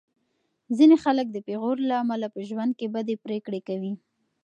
ځینې خلک د پېغور له امله په ژوند کې بدې پرېکړې کوي.